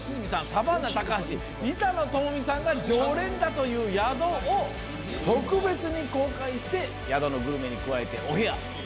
サバンナ高橋板野友美さんが常連だという宿を特別に公開して宿のグルメに加えてお部屋お風呂。